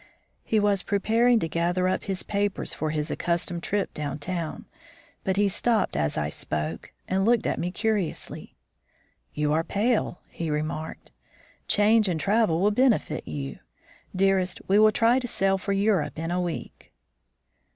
He was preparing to gather up his papers for his accustomed trip down town, but he stopped as I spoke, and look at me curiously. "You are pale," he remarked, "change and travel will benefit you. Dearest, we will try to sail for Europe in a week."